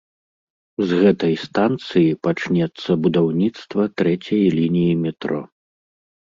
З гэтай станцыі пачнецца будаўніцтва трэцяй лініі метро.